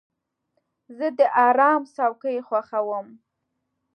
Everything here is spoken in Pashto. زه د آرام څوکۍ خوښوم.